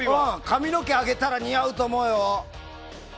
髪の毛上げたら似合うと思うよ。